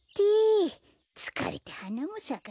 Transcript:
つかれてはなもさかないよ。